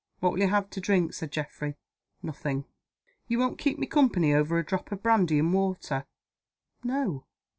"What will you have to drink?" said Geoffrey. "Nothing." "You won't keep me company over a drop of brandy and water?" "No.